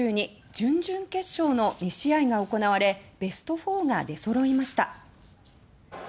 準々決勝の２試合が行われベスト４が出そろいました。